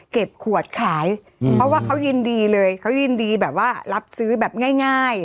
เก็บขวดขายเพราะว่าเขายินดีเลยเขายินดีแบบว่ารับซื้อแบบง่าย